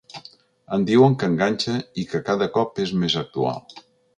Em diuen que enganxa i que cada cop és més actual.